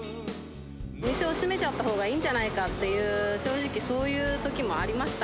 店を閉めちゃったほうがいいんじゃないかという、正直、そういうときもありました。